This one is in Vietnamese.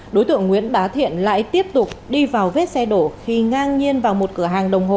đối tượng nguyễn bá thiện lại tiếp tục đi vào vết xe đổ khi ngang nhiên vào một cửa hàng đồng hồ